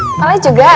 eh kepala juga